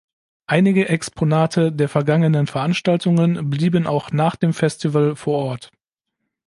Einige Exponate der vergangenen Veranstaltungen blieben auch nach dem Festival vor Ort.